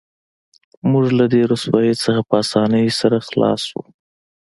موږ له دې رسوایۍ څخه په اسانۍ سره خلاص شو